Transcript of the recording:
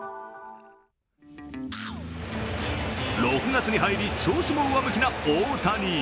６月に入り、調子も上向きな大谷。